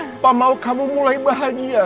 apa mau kamu mulai bahagia